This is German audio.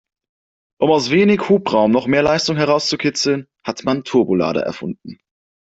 Um aus wenig Hubraum noch mehr Leistung herauszukitzeln, hat man Turbolader erfunden.